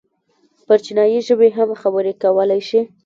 پر چينايي ژبې هم خبرې کولی شي.